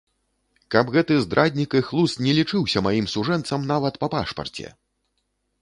Каб гэты здраднік і хлус не лічыўся маім сужэнцам нават па пашпарце!